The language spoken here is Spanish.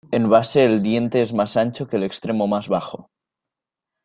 En la base el diente es más ancho en el extremo más bajo.